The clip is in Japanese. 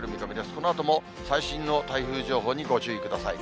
このあとも最新の台風情報にご注意ください。